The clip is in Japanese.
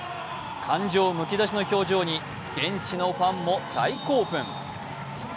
感情むき出しの表情に現地のファンも大興奮。